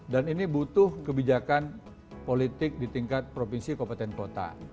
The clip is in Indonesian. ini butuh kebijakan politik di tingkat provinsi kabupaten kota